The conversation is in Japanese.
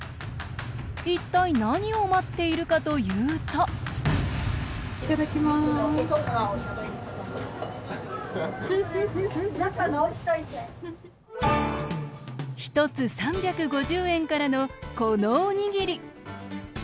一体、何を待っているかというと１つ３５０円からのこのおにぎり。